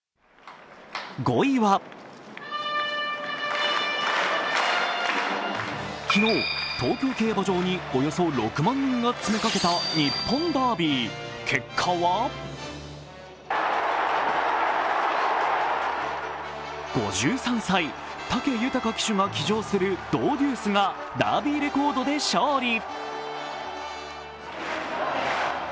５位は昨日東京競馬場におよそ６万人が詰めかけた日本ダービー、結果は５３歳、武豊騎手が騎乗するドウデュースがダービーレコードで勝利。